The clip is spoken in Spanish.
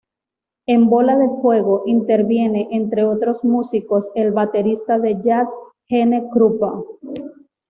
En "Bola de fuego" interviene, entre otros músicos, el baterista de jazz Gene Krupa.